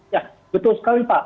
ya betul sekali pak